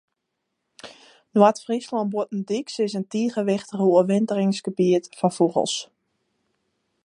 Noard-Fryslân Bûtendyks is in tige wichtich oerwinteringsgebiet foar fûgels.